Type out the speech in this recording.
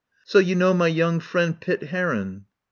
So you know my young friend, Pitt Heron?"